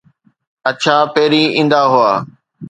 اڇا پهرين ايندا هئا.